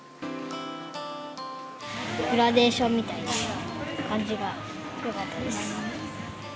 グラデーションみたいな感じがよかったです。